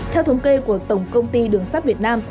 theo thống kê của tổng công ty đường sắt việt nam